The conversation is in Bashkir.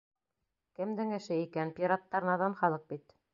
Кемдең эше икән, пираттар наҙан халыҡ бит.